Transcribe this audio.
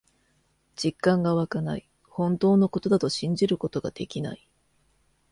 実感がわかない。本当のことだと信じることができない。